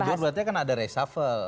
kalau mundur berarti akan ada reshuffle